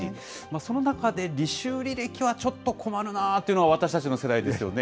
その中で、履修履歴はちょっと困るなというのが、私たちの世代ですよね。